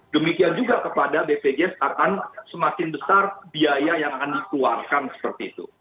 demikian juga kepada bpjs akan semakin besar biaya yang akan dikeluarkan seperti itu